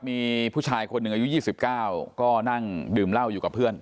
มีผู้ชายคนหนึ่งอายุ๒๙ก็นั่งดื่มเหล้าอยู่กับเพื่อน